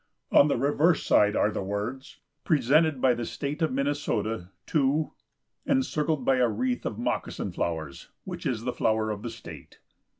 On the reverse side are the words, "Presented by the State of Minnesota to ," encircled by a wreath of moccasin flowers, which is the flower of the state.